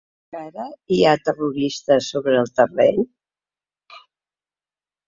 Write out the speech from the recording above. Encara hi ha ‘terroristes’ sobre el terreny?